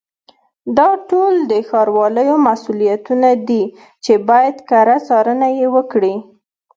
دا ټول د ښاروالیو مسؤلیتونه دي چې باید کره څارنه یې وکړي.